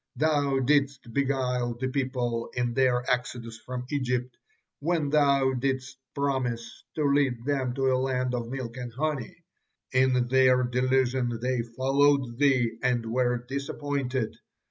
Thou didst beguile the people in their exodus from Egypt, when thou didst promise to lead them to a land of milk and honey; in their delusion they followed thee and were disappointed.